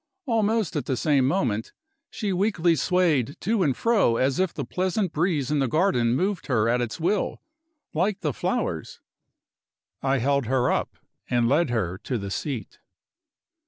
Almost at the same moment, she weakly swayed to and fro as if the pleasant breeze in the garden moved her at its will, like the flowers. I held her up, and led her to the seat.